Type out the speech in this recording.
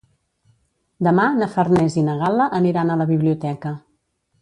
Demà na Farners i na Gal·la aniran a la biblioteca.